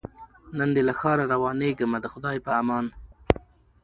نن دي له ښاره روانېږمه د خدای په امان